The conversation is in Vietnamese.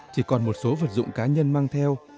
chỉ còn một số vật dụng cá nhân mang theo